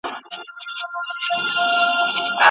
د نظافت او ارائش سامان څوک باید برابر کړي؟